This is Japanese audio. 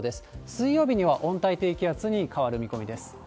水曜日には温帯低気圧に変わる見込みです。